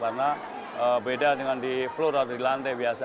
karena beda dengan di floor atau di lantai biasa